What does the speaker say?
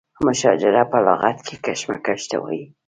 مشاجره په لغت کې کشمکش ته وایي.